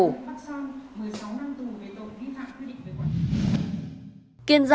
một mươi sáu năm tù về tội vi phạm quy định về tội